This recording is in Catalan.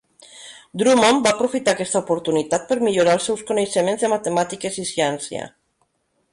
Drummond va aprofitar aquesta oportunitat per millorar els seus coneixements de matemàtiques i ciència.